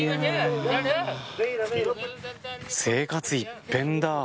生活一変だ。